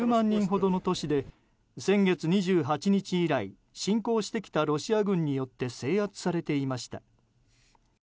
人ほどの都市で先月２８日以来侵攻してきたロシア軍によって制圧されていました。